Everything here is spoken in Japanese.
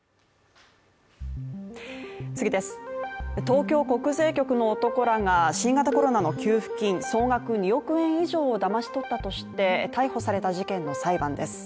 東京国税局の男らが新型コロナの給付金総額２億円以上をだまし取ったとして逮捕された事件の裁判です。